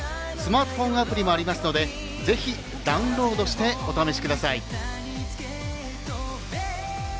スマートフォンアプリもありますのでぜひダウンロードしてお試しください。